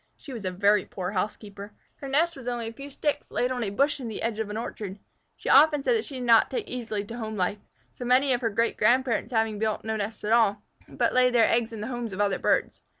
She was a very poor housekeeper. Her nest was only a few sticks laid on a bush in the edge of an orchard. She often said that she did not take easily to home life, so many of her great grandparents having built no nests at all, but laid their eggs in the homes of other birds.